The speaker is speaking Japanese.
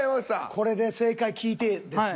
これで正解聞いてですね。